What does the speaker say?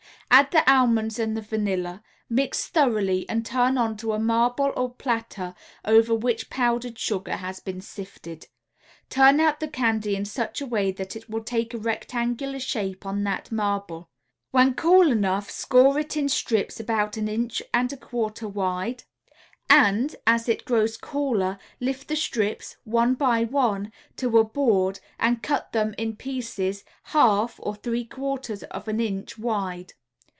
Add the almonds and the vanilla, mix thoroughly and turn onto a marble or platter over which powdered sugar has been sifted. Turn out the candy in such a way that it will take a rectangular shape on the marble. When cool enough score it in strips about an inch and a quarter wide, and, as it grows cooler, lift the strips, one by one, to a board and cut them in pieces half or three quarters of an inch wide.